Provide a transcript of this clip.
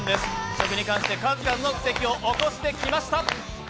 食に関して数々の奇跡を起こしてきました。